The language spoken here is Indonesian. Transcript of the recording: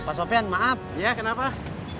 orang satu orang nggak gelap bisa berubah